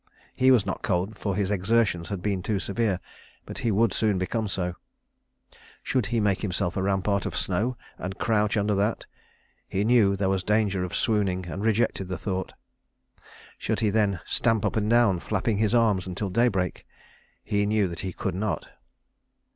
He was not cold, for his exertions had been too severe, but he would soon become so. Should he make himself a rampart of snow and crouch under that? He knew there was danger of swooning, and rejected the thought. Should he then stamp up and down, flapping his arms until daybreak? He knew that he could not.